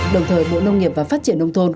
đồng thời bộ nông nghiệp và phát triển nông thôn